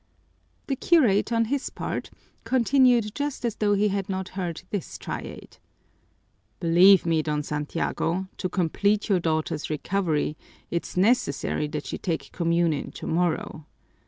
The curate, on his part, continued just as though he had not heard this tirade. "Believe me, Don Santiago, to complete your daughter's recovery it's necessary that she take communion tomorrow.